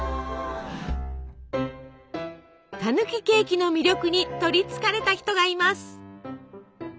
たぬきケーキの魅力に取りつかれた人がいます。